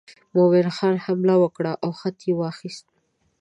مومن خان حمله ور کړه او خط یې واخیست.